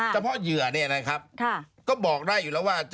เหยื่อเนี่ยนะครับก็บอกได้อยู่แล้วว่า